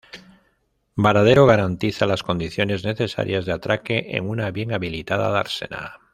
Varadero garantiza las condiciones necesarias de atraque en una bien habilitada dársena.